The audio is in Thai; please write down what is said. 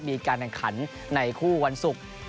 มีการแข่งขันในคู่วันศุกร์